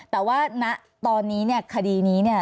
แต่ว่าณตอนนี้เนี่ยคดีนี้เนี่ย